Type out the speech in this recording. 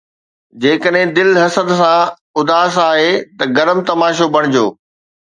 جيڪڏهن دل حسد سان اُداس آهي ته گرم تماشو بڻجو